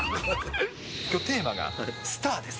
きょう、テーマがスターです。